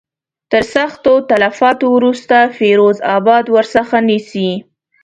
تر سختو تلفاتو وروسته فیروز آباد ورڅخه نیسي.